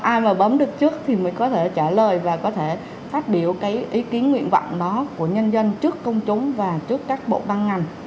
ai mà bấm được trước thì mới có thể trả lời và có thể phát biểu cái ý kiến nguyện vọng đó của nhân dân trước công chúng và trước các bộ ban ngành